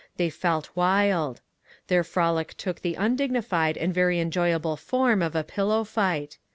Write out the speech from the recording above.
They felt wild. Their frolic took the undignified and very enjoyable form of a pillow fight.